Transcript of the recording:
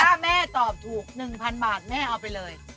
ถ้าแม่ตอบถูก๑๐๐๐บาทแม่เอาไปเลย